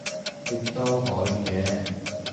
亦都可以嘅